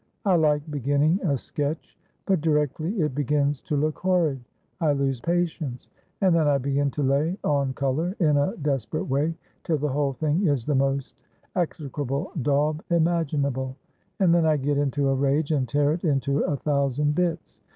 I like beginning a sketch ; but directly it begins to look horrid I lose patience ; and then I begin to lay on colour in a desperate way, till the whole thing is the most execrable daub imaginable ; and then I get into a rage and tear it into a thousand bits.